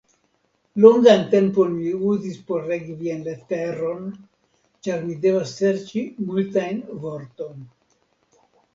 Longan tempon mi uzis por legi vian leteron, ĉar mi devas serĉi multajn vortojn.